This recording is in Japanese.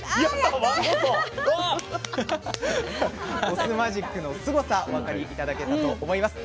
お酢マジックのすごさお分かり頂けたと思います。